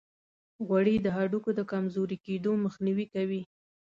غوړې د هډوکو د کمزوري کیدو مخنیوي کوي.